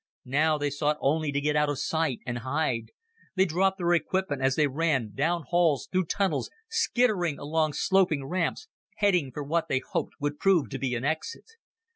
Now they sought only to get out of sight and hide. They dropped their equipment as they ran, down halls, through tunnels, skittering along sloping ramps, heading for what they hoped would prove to be an exit.